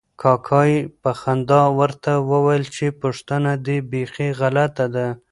کاکا یې په خندا ورته وویل چې پوښتنه دې بیخي غلطه ده.